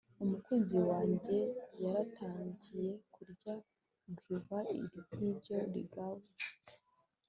umukunzi wanjye yatangiye kurya guava iryinyo riragwa